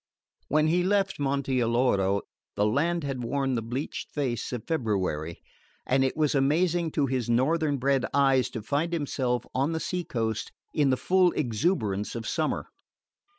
When he left Monte Alloro the land had worn the bleached face of February, and it was amazing to his northern bred eyes to find himself, on the sea coast, in the full exuberance of summer.